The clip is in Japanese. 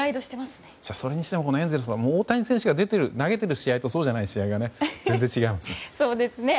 それにしてもエンゼルスは大谷選手が投げている試合とそうじゃない試合が全然違うんですね。